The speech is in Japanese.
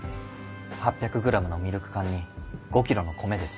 ８００ｇのミルク缶に５ｋｇの米です。